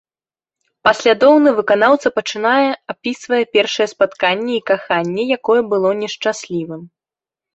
Паслядоўна выканаўца пачынае апісвае першае спатканне і каханне, якое было не шчаслівым.